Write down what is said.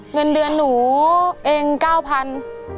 เงินเดือนหนูเอง๙๐๐บาท